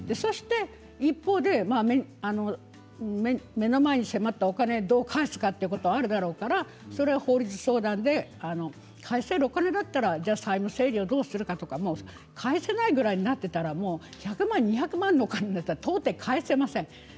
一方で目の前に迫ったお金をどう返すかということはあるだろうからそれは法律相談で返せるお金だったら債務整理をどうするかとか返せないぐらいになっていたら１００万、２００万のお金だったら返せません。